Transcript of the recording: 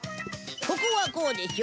ここはこうでしょ？